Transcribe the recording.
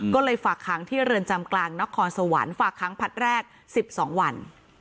ก็เลยฝากค้างที่เรือนจำกลางนครสวรรค์ฝากค้างผลัดแรก๑๒วัน